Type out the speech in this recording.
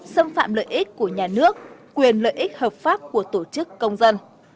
xâm phạm lợi ích của nhà nước quyền lợi ích hợp pháp của tổ chức công dân